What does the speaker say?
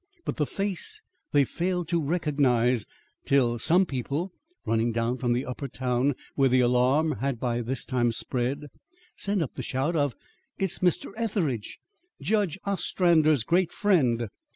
But the face they failed to recognise till some people, running down from the upper town where the alarm had by this time spread, sent up the shout of 'It's Mr. Etheridge! Judge Ostrander's great friend.